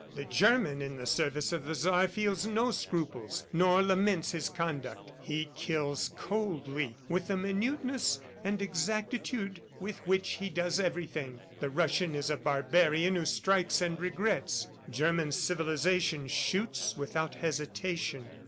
The German in the service of the Czar feels no scruples, nor laments his conduct. He kills coldly, with the minuteness and exactitude with which he does everything. The Russian is a barbarian who strikes and regrets; German civilization shoots without hesitation.